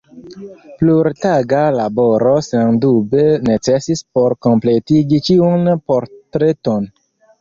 Plurtaga laboro sendube necesis por kompletigi ĉiun portreton.